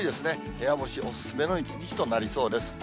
部屋干しお勧めの一日となりそうです。